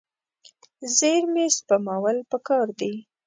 زیرمې سپمول پکار دي.